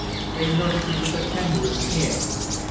They nursed me with the tenderest care.